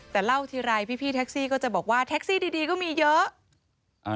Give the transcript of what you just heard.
แต่เล่าทีไรพี่แท็กซี่ก็จะบอกว่าแท็กซี่ดีก็มีเยอะ